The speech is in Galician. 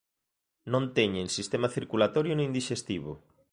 Non teñen sistema circulatorio nin dixestivo.